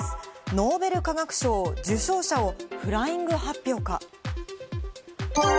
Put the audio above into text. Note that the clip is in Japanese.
ノーベル化学賞受賞者をフライング発表か。